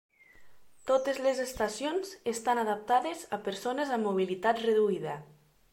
Totes les estacions estan adaptades a persones amb mobilitat reduïda.